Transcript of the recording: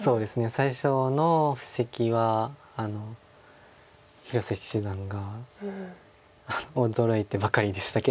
最初の布石は広瀬七段が驚いてばかりでしたけど。